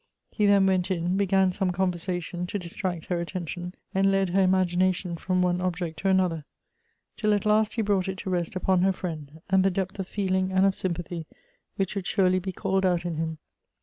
He then went in, began some conversation to distract her attention, and led her imagination from one object to another, till at last he brought it to rest upon her friend, and the depth of feeling and of sympathy which would surely be called out in him.